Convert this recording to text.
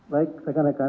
baik saya akan rekan